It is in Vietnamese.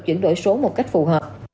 chuyển đổi số một cách phù hợp